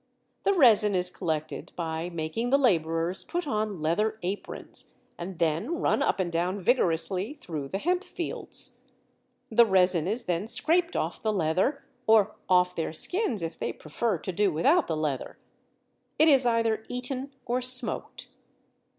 The resin is collected by making the labourers put on leather aprons, and then run up and down vigorously through the hempfields. The resin is then scraped off the leather, or off their skins if they prefer to do without leather. It is either eaten or smoked.